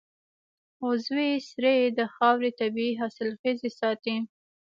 عضوي سرې د خاورې طبعي حاصلخېزي ساتي.